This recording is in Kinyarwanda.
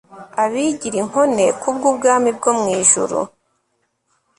abigira inkone ku bw'ubwami bwo mu ijuru